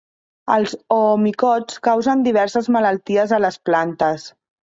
Els oomicots causen diverses malalties a les plantes.